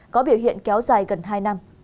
có biểu hiện kéo dài gần hai năm